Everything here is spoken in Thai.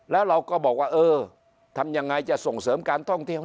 แล้วเราก็บอกว่าเออทำยังไงจะส่งเสริมการท่องเที่ยว